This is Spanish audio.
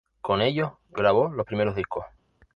Con ellos, grabó los primeros discos.